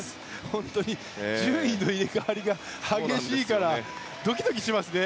本当に順位の入れ替わりが激しいからドキドキしますね。